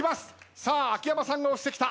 さあ秋山さんが押してきた。